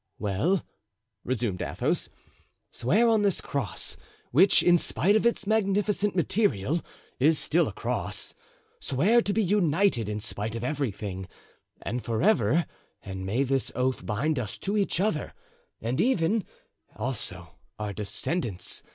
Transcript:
"Well," resumed Athos, "swear on this cross, which, in spite of its magnificent material, is still a cross; swear to be united in spite of everything, and forever, and may this oath bind us to each other, and even, also, our descendants!